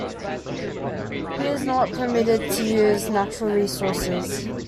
Here is not permitted to use natural resources.